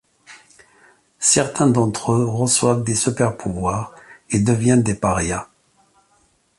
Certains d'entre eux reçoivent des super-pouvoirs et deviennent les Parias.